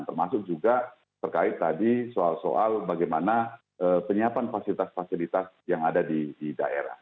termasuk juga terkait tadi soal soal bagaimana penyiapan fasilitas fasilitas yang ada di daerah